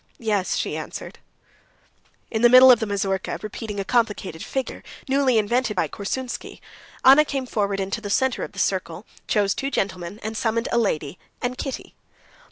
"Yes," she answered. In the middle of the mazurka, repeating a complicated figure, newly invented by Korsunsky, Anna came forward into the center of the circle, chose two gentlemen, and summoned a lady and Kitty.